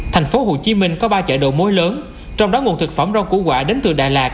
tp hcm có ba chợ độ mối lớn trong đó nguồn thực phẩm rau củ quả đến từ đà lạt